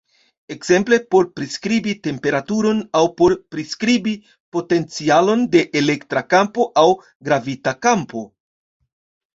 Ekzemple por priskribi temperaturon, aŭ por priskribi potencialon de elektra kampo aŭ gravita kampo.